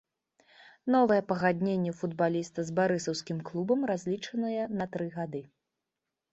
Новае пагадненне футбаліста з барысаўскім клубам разлічанае на тры гады.